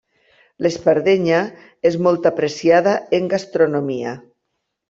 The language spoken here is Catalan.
L'espardenya és molt apreciada en gastronomia.